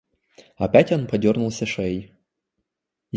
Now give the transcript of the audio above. Опять он подернулся шеей.